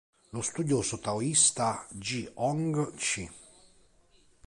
Lo studioso taoista Ge Hong c.